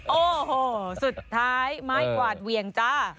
โอ้โหสุดท้ายไม้กวาดเหวี่ยงจ้า